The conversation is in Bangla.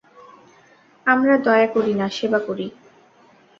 আমরা দয়া করি না, সেবা করি।